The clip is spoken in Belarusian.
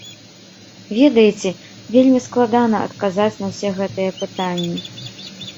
Ведаеце, вельмі складана адказаць на ўсе гэтыя пытанні.